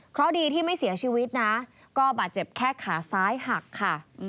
เพราะดีที่ไม่เสียชีวิตนะก็บาดเจ็บแค่ขาซ้ายหักค่ะ